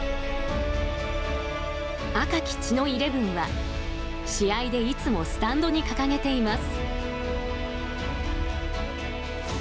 「赤き血のイレブン」は、試合でいつもスタンドに掲げています。